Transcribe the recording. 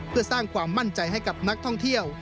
เพื่อสร้างความมั่นใจให้กับนักท่องเที่ยว